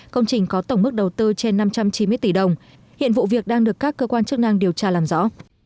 công trình có tổng mức đầu tư trên năm trăm chín mươi tỷ đồng hiện vụ việc đang được các cơ quan chức năng điều tra làm rõ